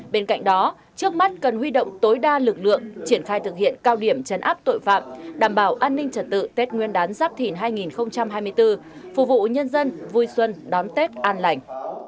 bên cạnh đó trước mắt cần huy động tối đa lực lượng triển khai thực hiện cao điểm chấn áp tội phạm đảm bảo an ninh trật tự tết nguyên đán giáp thìn hai nghìn hai mươi bốn phục vụ nhân dân vui xuân đón tết an lành